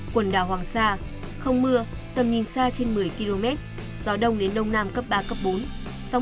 quần đảo hoàng sa không mưa tầm nhìn xa trên một mươi km gió đông đến đông nam cấp ba cấp bốn sóng biển cao từ năm đến một năm m